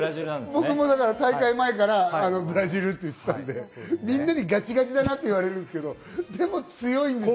僕も大会前からブラジルって言ってたので、みんなにガチガチだなって言われるんですけど、でも強いんですよ。